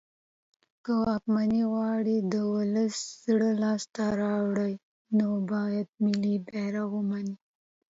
که واکمن غواړی د ولس زړه لاس ته راوړی نو باید ملی بیرغ ومنی